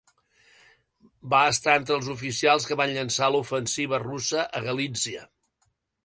Va estar entre els oficials que van llançar l'ofensiva russa a Galítzia.